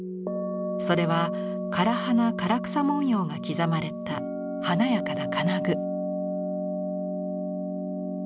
それは唐花唐草文様が刻まれた華やかな金具。